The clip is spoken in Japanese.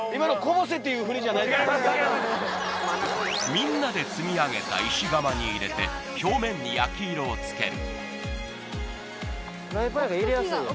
みんなで積み上げた石窯に入れて、表面に焼き色をつける。